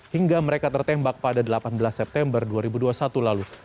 hingga mereka tertembak pada delapan belas september dua ribu dua puluh satu lalu